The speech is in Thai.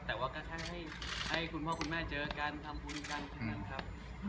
แต่ว่าก็แค่ให้คุณพ่อคุณแม่เจอกันทำบุญกันแค่นั้นครับ